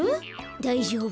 だいじょうぶ。